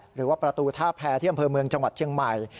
หรือว่าพระตูทาแพร่อบเมืองจังหวัดเชียงใหม่